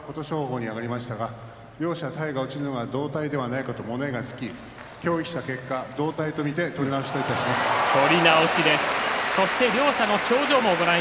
行司の軍配は琴勝峰に上がりましたが両者体が落ちるのが同体ではないかと物言いがつき協議した結果、同体と見て取り直しです。